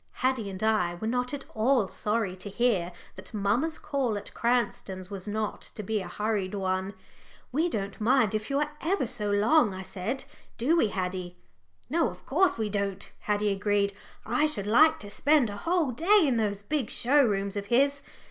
Haddie and I were not at all sorry to hear that mamma's call at Cranston's was not to be a hurried one. "We don't mind if you are ever so long," I said; "do we, Haddie?" "No, of course we don't," Haddie agreed. "I should like to spend a whole day in those big show rooms of his.